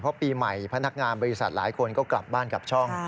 เพราะปีใหม่พนักงานบริษัทหลายคนก็กลับบ้านกลับช่อง